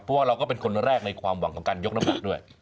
เพราะว่าเราก็เป็นคนแรกในความหวังของการยกน้ำหนักด้วย